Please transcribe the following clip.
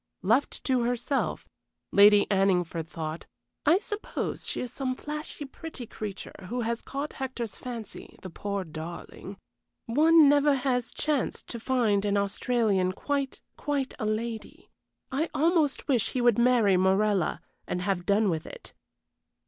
Left to herself, Lady Anningford thought: "I suppose she is some flashy, pretty creature who has caught Hector's fancy, the poor darling. One never has chanced to find an Australian quite, quite a lady. I almost wish he would marry Morella and have done with it."